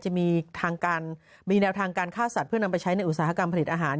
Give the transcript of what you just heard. จะมีทางการมีแนวทางการฆ่าสัตว์เพื่อนำไปใช้ในอุตสาหกรรมผลิตอาหาร